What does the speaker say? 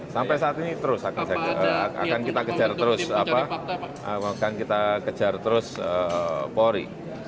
sampai saat ini terus akan kita kejar terus polri